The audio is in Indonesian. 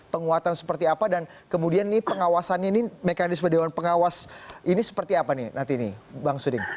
penguatan seperti apa dan kemudian ini pengawasannya ini mekanisme dewan pengawas ini seperti apa nih nanti nih bang suding